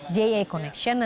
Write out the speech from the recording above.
ja connection nantinya jadinya